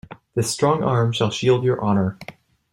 This strong arm shall shield your honor.